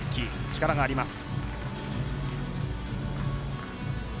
力があります。